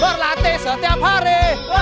berlatih setiap hari